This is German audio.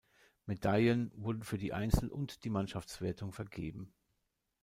Medaillen wurden für die Einzel- und die Mannschaftswertung vergeben.